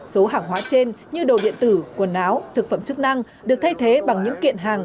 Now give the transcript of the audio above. số hàng hóa trên như đồ điện tử quần áo thực phẩm chức năng được thay thế bằng những kiện hàng